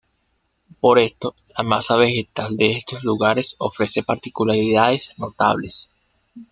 Por esto, la masa vegetal de estos lugares ofrece particularidades notables.